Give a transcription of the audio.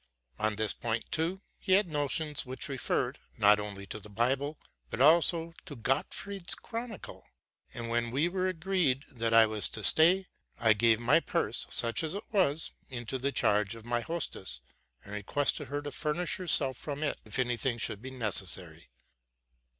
On this point, too, he had notions which referred, not only to the Bible, but also to '' Gottfried's Chronicle ;'' and when we were agreed that I was to stay, I gave my purse, such as it was, into the charge of my hostess, and requested her to fur nish herself from it, if any thing should be necessary.